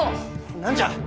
何じゃ。